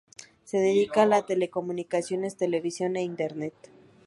Se dedica a las telecomunicaciones, televisión e internet.